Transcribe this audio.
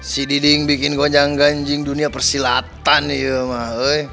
si diding bikin gue jangganjing dunia persilatan iya emang